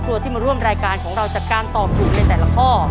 ครัวที่มาร่วมรายการของเราจากการตอบถูกในแต่ละข้อ